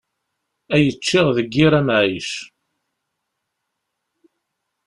Ay ččiɣ deg yir amɛic.